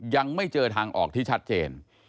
ยังไม่เจอทางออกที่ชัดเจน